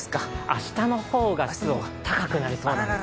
明日の方が湿度、高くなりそうなんですよね。